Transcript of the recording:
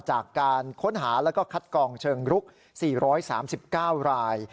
จากการค้นหาแล้วก็คัดกองเชิงรุก๔๓๙ราย